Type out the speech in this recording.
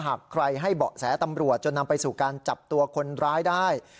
หากใครให้เบาะแสตำรวจจนนำไปสู่การจับตัวคนร้ายได้